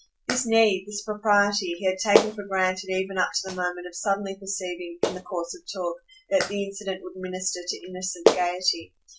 This need, this propriety, he had taken for granted even up to the moment of suddenly perceiving, in the course of talk, that the incident would minister to innocent gaiety.